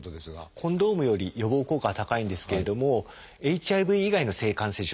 コンドームより予防効果は高いんですけれどもＨＩＶ以外の性感染症